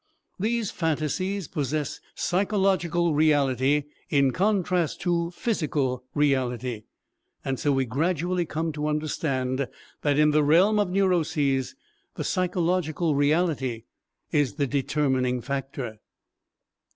These phantasies possess psychological reality in contrast to physical reality, and so we gradually come to understand that in the realm of neuroses the psychological reality is the determining factor.